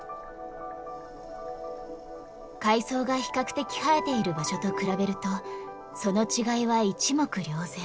海藻が比較的生えている場所と比べるとその違いは一目瞭然。